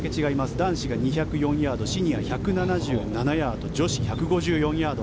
男子が２０４ヤードシニアが１７７ヤード女子、１５４ヤード。